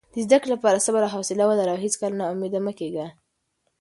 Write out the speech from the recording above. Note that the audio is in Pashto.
د زده کړې لپاره صبر او حوصله ولره او هیڅکله نا امیده مه کېږه.